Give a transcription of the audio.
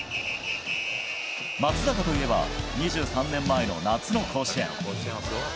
松坂といえば２３年前の夏の甲子園。